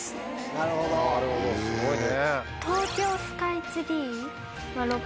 なるほどすごいね。